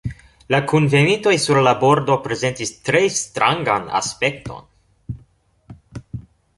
La kunvenintoj sur la bordo prezentis tre strangan aspekton.